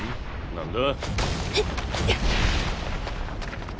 何だ？